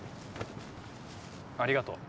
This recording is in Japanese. ありがとう。